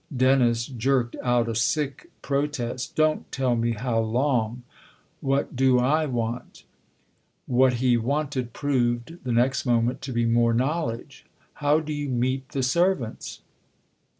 Dennis jerked out a sick protest. " Don't tell me how long ! What do / want ?" What he wanted proved, the next moment, to be more knowledge. " How do you meet the servants